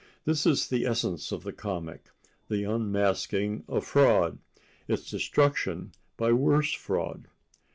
This is the essence of the comic: the unmasking of fraud, its destruction by worse fraud.